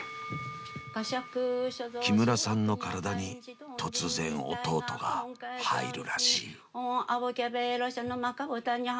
［木村さんの体に突然弟が入るらしい］